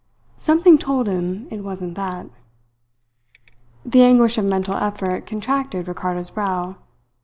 Something told him it wasn't that. The anguish of mental effort contracted Ricardo's brow.